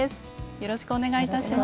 よろしくお願いします。